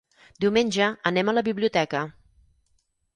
Diumenge anem a la biblioteca.